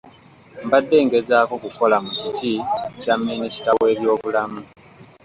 Mbadde ngezaako kukola mu kiti kya Minisita w’ebyobulamu.